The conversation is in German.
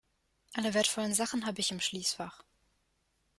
Alle wertvollen Sachen habe ich im Schließfach.